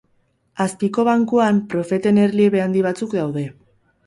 Azpiko bankuan, profeten erliebe handi batzuk daude.